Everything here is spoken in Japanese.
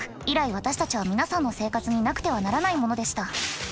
以来私たちは皆さんの生活になくてはならないものでした。